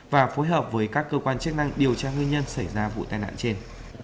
và phối hợp với các cơ quan chức năng điều tra nguyên nhân xảy ra vụ tai nạn trên